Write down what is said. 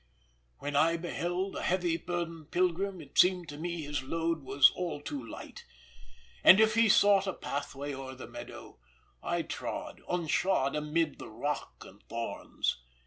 "When I beheld a heavy burdened pilgrim, It seemed to me his load was all too light. And if he sought a pathway o'er the meadow, I trod, unshod, amid the rock and thorns.